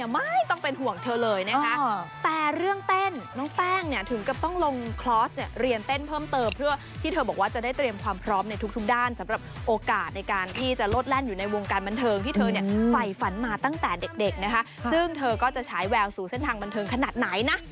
บันเทิงที่เธอเนี่ยไฟฝันมาตั้งแต่เด็กนะคะซึ่งเธอก็จะฉายแววสู่เส้นทางบันเทิงขนาดไหนนะ